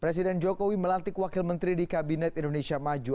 presiden jokowi melantik wakil menteri di kabinet indonesia maju